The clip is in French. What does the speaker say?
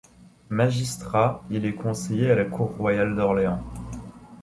Magistrat, il est conseiller à la cour royale d'Orléans.